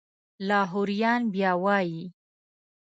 لاهوریان بیا وایي.